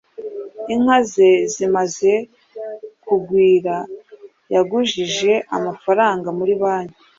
Inka ze zimaze kugwira, yagujije amafaranga muri banki,